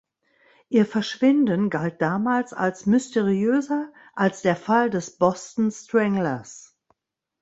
Ihr Verschwinden galt damals als mysteriöser als der Fall des „Boston Stranglers“.